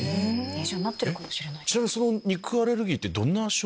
じゃあなってるかもしれない？